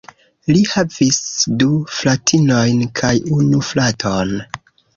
Li havis du fratinojn kaj unu fraton.